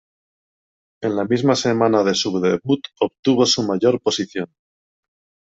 En la misma semana de su debut, obtuvo su mayor posición.